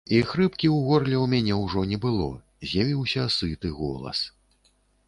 І хрыпкі ў горле ў мяне ўжо не было, з'явіўся сыты голас.